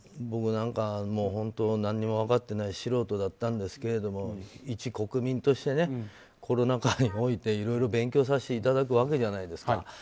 僕なんか何も分かってない素人だったんですけど一国民としてねコロナ禍においていろいろ勉強させていただくわけじゃないですか。